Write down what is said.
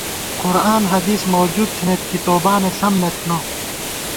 قرآن حدیث موجود تھنَئیت کی توبانہ ݪم نہ تھنہ